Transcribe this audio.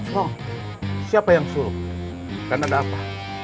oh siapa yang suruh kan ada apa